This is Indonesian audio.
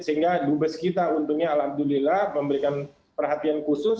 sehingga du bus kita untungnya alhamdulillah memberikan perhatian khusus